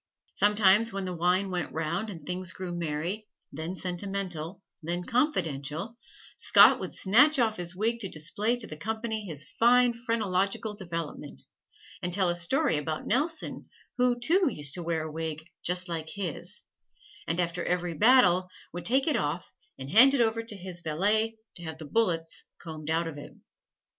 Sometimes when the wine went round and things grew merry, then sentimental, then confidential, Scott would snatch off his wig to display to the company his fine phrenological development, and tell a story about Nelson, who, too, used to wear a wig just like his, and after every battle would take it off and hand it over to his valet to have the bullets combed out of it.